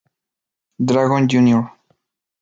Dragon Jr.